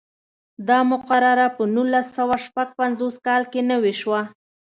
دا مقرره په نولس سوه شپږ پنځوس کال کې نوې شوه.